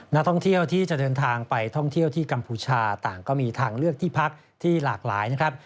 นักท่องเที่ยวที่จะเดินทางไปท่องเที่ยวที่กัมพูชาต่างก็มีทางเลือกที่พักที่หลากหลายนะครับ